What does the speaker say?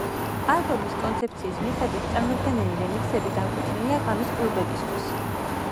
ალბომის კონცეფციის მიხედვით, წარმოდგენილი რემიქსები განკუთვნილია ღამის კლუბებისათვის.